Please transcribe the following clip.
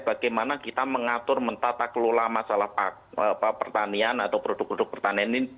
bagaimana kita mengatur mentata kelola masalah pertanian atau produk produk pertanian ini